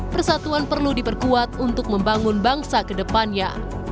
persatuan perlu diperkuat untuk membangun bangsa kedepannya